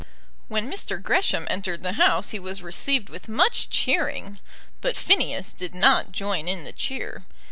When Mr. Gresham entered the House he was received with much cheering; but Phineas did not join in the cheer.